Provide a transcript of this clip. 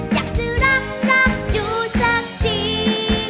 อยากจะรักจับอยู่สักที